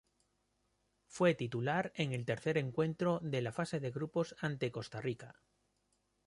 Fue titular en el tercer encuentro de la fase de grupos ante Costa Rica.